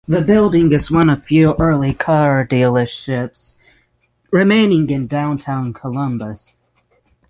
The building is one of few early car dealerships remaining in downtown Columbus.